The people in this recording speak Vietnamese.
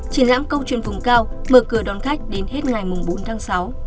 triển lãm câu chuyện vùng cao mở cửa đón khách đến hết ngày bốn tháng sáu